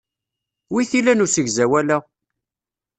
Wi t-ilan usegzawal-a?